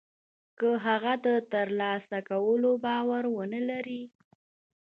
که هغه د تر لاسه کولو باور و نه لري.